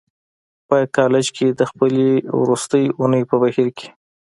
په کالج کې د خپلې وروستۍ اونۍ په بهير کې.